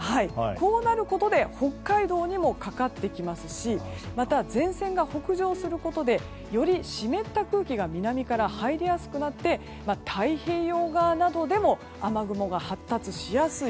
こうなることで北海道にもかかってきますしまた、前線が北上することでより湿った空気が南から入りやすくなって太平洋側などでも雨雲が発達しやすい。